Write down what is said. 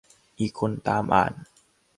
อีกคนตามอ่าน